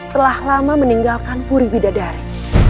telah lama meninggalkan puri bidadari